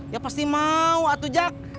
ya pasti mau atau jak